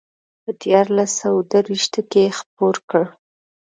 په دیارلس سوه درویشتو کې یې خپور کړ.